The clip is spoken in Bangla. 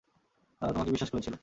তারা তোমাকে বিশ্বাস করেছিল।